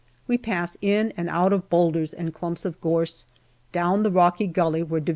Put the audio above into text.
We pass in and out of boulders and clumps of gorse, down the rocky gully where D.H.